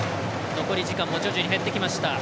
残り時間も徐々に減ってきました。